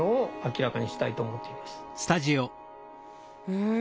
うん。